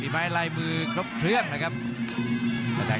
บูสู้แมน